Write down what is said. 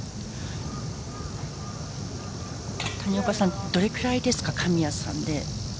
谷岡さんどれくらいですか神谷さんで。